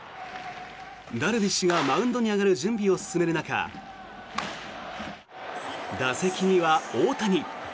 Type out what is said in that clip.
ダルビッシュがマウンドに上がる準備を進める中打席には大谷。